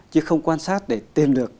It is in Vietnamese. chứ không quan sát để tìm được